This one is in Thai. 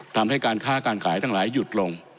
ทำให้การค้าการขายทั้งหลายหยุดลง